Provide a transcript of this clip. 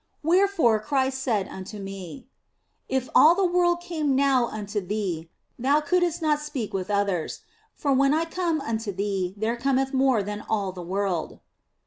Wherefore Christ said unto me :" If all the world came now unto thee, thou couldst not speak with others ; for when I come unto thee, there cometh more than all the world."